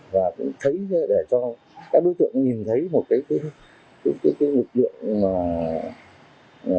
và cũng thấy để cho các đối tượng nhìn thấy một cái mục lượng